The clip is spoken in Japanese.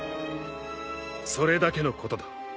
それだけのことだ。